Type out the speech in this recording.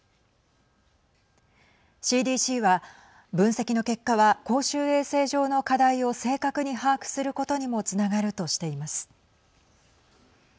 ＣＤＣは分析の結果は公衆衛生上の課題を正確に把握することにもつながるとしています。